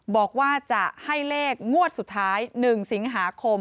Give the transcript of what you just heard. บอกว่าจะให้เลขงวดสุดท้าย๑สิงหาคม